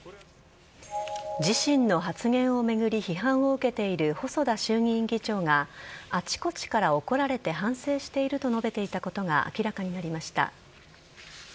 自身の発言を巡り批判を受けている細田衆院議長があちこちから怒られて反省していると述べていたことが明らかになりました。